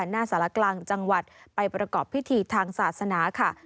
หน้าสารกลางจังหวัดไปประกอบพิธีทางศาสนาค่ะ